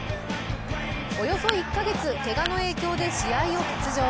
およそ１か月、けがの影響で試合を欠場。